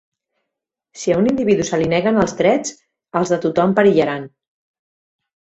Si a un individu se li neguen els drets, els de tothom perillaran.